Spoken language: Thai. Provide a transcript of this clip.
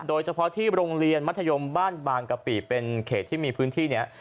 โดยเฉพาะที่โรงเรียนมัธยมบ้านบางกะปิเป็นเขตที่มีพื้นที่นี้